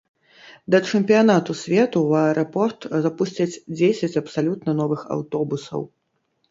Да чэмпіянату свету ў аэрапорт запусцяць дзесяць абсалютна новых аўтобусаў.